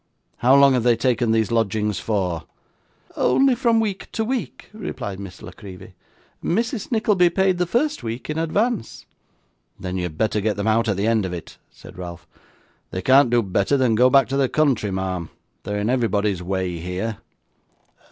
How long have they taken these lodgings for?' 'Only from week to week,' replied Miss La Creevy. 'Mrs. Nickleby paid the first week in advance.' 'Then you had better get them out at the end of it,' said Ralph. 'They can't do better than go back to the country, ma'am; they are in everybody's way here.